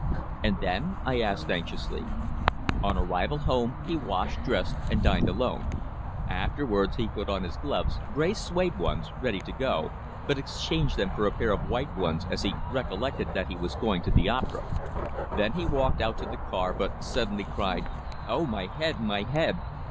"And then?" I asked anxiously. "On arrival home he washed, dressed, and dined alone. Afterwards he put on his gloves, grey suède ones, ready to go, but exchanged them for a pair of white ones, as he recollected that he was going to the opera. Then he walked out to the car, but suddenly cried, 'Oh! My head! My head!'